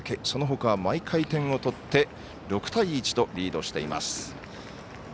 そのほかは毎回点を取って６対１とリードしています。